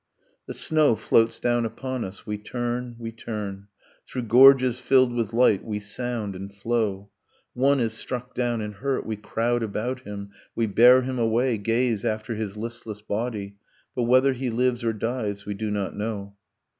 The snow floats down upon us, we turn, we turn, Through gorges filled with light we sound and flow ... One is struck down and hurt, we crowd about him, We bear him away, gaze after his listless body; But whether he lives or dies we do not know.